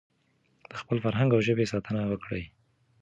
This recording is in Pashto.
د خپل فرهنګ او ژبې ساتنه وکړئ.